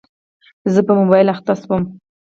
زه په موبایل اخته شوم.